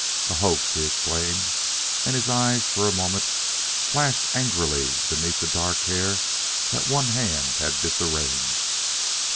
"A hoax!" he exclaimed, and his eyes, for a moment, flashed angrily beneath the dark hair that one hand had disarranged.